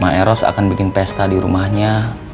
sama eros akan bikin pesta di rumahnya